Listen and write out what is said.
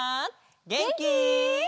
げんき？